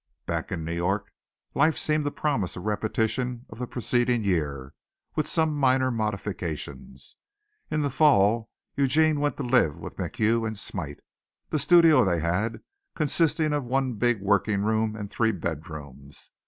Back in New York, life seemed to promise a repetition of the preceding year, with some minor modifications. In the fall Eugene went to live with McHugh and Smite, the studio they had consisting of one big working room and three bed rooms.